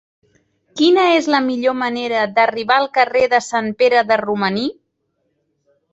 Quina és la millor manera d'arribar al carrer de Sant Pere de Romaní?